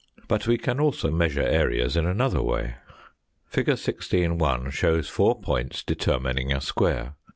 But we can also measure areas Fig. 16. .,, in another way. Fig. 16 (1) shows four points determining a square.